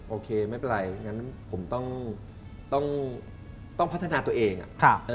โอเคไม่เป็นไรงั้นผมต้องพัฒนาตัวเอง